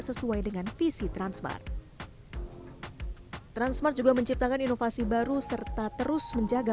sesuai dengan visi transmart transmart juga menciptakan inovasi baru serta terus menjaga